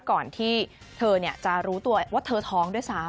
ก่อนที่เธอจะรู้ตัวว่าเธอท้องด้วยซ้ำ